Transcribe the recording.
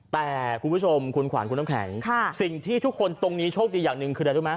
แต่คุณผู้ชมคุณขวานคุณน้ำแข็งสิ่งที่ทุกคนตรงนี้โชคดีอย่างหนึ่งคืออะไรรู้ไหม